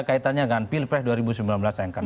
kaitannya kan pilpres dua ribu sembilan belas yang akan